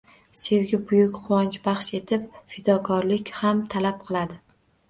Sevgi buyuk quvonch baxsh etib, fidokorlik ham talab qiladi.